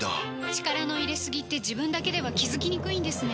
力の入れすぎって自分だけでは気付きにくいんですね